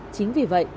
chính vì vậy